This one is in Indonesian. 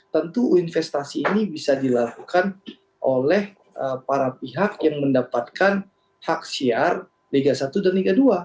tentu investasi ini bisa dilakukan oleh para pihak yang mendapatkan hak syiar liga satu dan liga dua